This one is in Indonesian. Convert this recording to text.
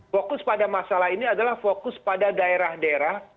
fokus pada masalah ini adalah fokus pada daerah daerah